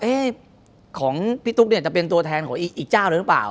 เอ๊ะของพี่ทุกข์เนี่ยจะเป็นตัวแทนของอีกเจ้าหรือเปล่า